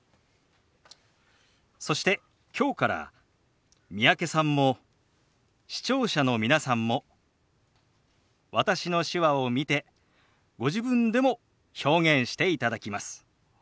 そしてきょうから三宅さんも視聴者の皆さんも私の手話を見てご自分でも表現していただきます。